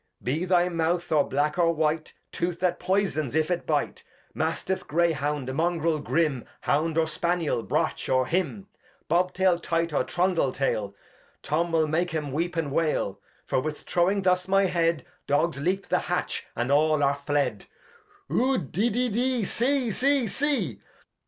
Be thy Mouth, or black, or white. Tooth that poysons if it bite ; Mastiff, Grey Hound, MungreU, Grim, Hound, or Spanniel, Brach, or dym ; Bob Tail, Tight, or Trundle Tail, Tom will make 'em weep and wail ; For with throwing thus my Head, Dogs leap the Hatch, and all are fled. Ud, de, de, de. See, see, see.